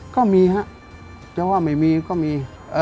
ก็มีฮะจะว่าไม่มีก็มี